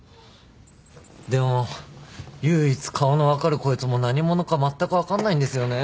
でも唯一顔の分かるこいつも何者かまったく分かんないんですよね。